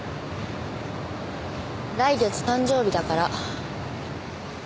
来月誕生日だから。